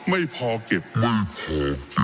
ไม่พอเก็บไม่พอเก็บ